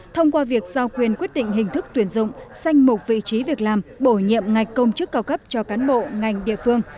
thông qua việc giao quyền quyết định hình thức tuyển dụng sanh mục vị trí việc làm bổ nhiệm ngạch công chức cao cấp cho cán bộ ngành địa phương